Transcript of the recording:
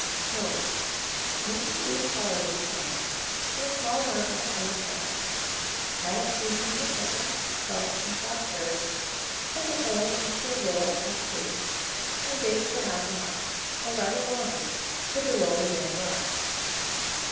Mode. Mince the beef tolerably fine with a small amount of its own fat; add a seasoning of pepper, salt, and chopped herbs; put the whole into a roll of puff paste, and bake for 1/2 hour, or rather longer, should the roll be very large.